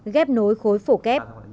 ghép nối khối phổ kép